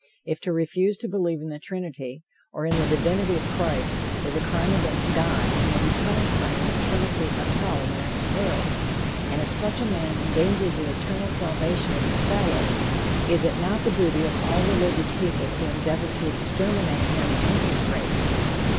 If to refuse to believe in the Trinity, or in the divinity of Christ, is a crime against God and will be punished by an eternity of hell in the next world, and if such a man endangers the eternal salvation of his fellows, is it not the duty of all religious people to endeavor to exterminate him and his race, now arid here?